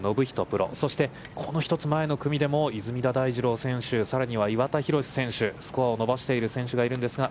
プロ、そして、この１つ前の組でも出水田大二郎選手、さらには岩田寛選手、スコアを伸ばしている選手がいるんですが、